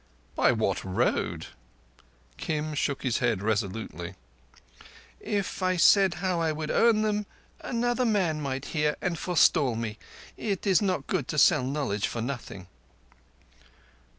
"By what road?" Kim shook his head resolutely. "If I said how I would earn them, another man might hear and forestall me. It is not good to sell knowledge for nothing."